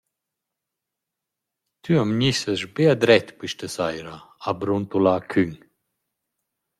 «Tü am gnissast be a dret quista saira», ha bruntulà Küng.